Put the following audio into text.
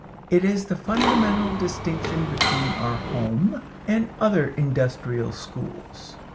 It is the fundamental distinction between our Home and other industrial schools.